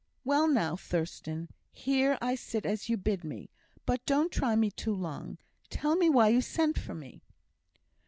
"Well now, Thurstan, here I sit as you bid me. But don't try me too long; tell me why you sent for me."